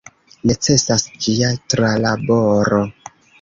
Necesas ĝia tralaboro.